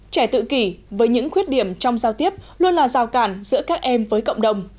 trẻ tự kỷ với những khuyết điểm trong giao tiếp luôn là rào cản giữa các em với cộng đồng